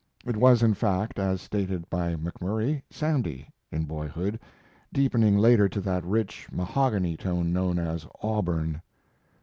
It was, in fact, as stated by McMurry, "sandy" in boyhood, deepening later to that rich, mahogany tone known as auburn.